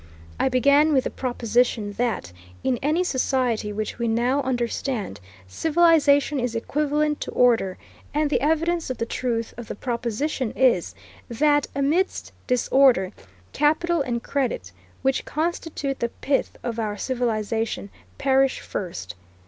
I began with the proposition that, in any society which we now understand, civilization is equivalent to order, and the evidence of the truth of the proposition is, that amidst disorder, capital and credit, which constitute the pith of our civilization, perish first.